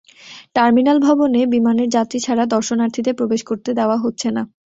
Terminal ভবনে বিমানের যাত্রী ছাড়া দর্শনার্থীদের প্রবেশ করতে দেওয়া হচ্ছে না।